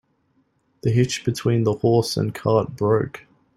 The hitch between the horse and cart broke.